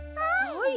はい。